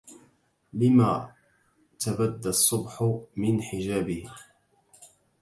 لما تبدى الصبح من حجابه